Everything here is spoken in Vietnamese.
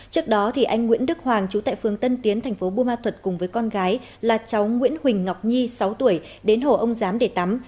trước đó anh nguyễn đức hoàng trú tại phường tân tiến thành phố bù ma thuật cùng với con gái là cháu nguyễn huỳnh ngọc nhi sáu tuổi đến hồ ông giám để tắm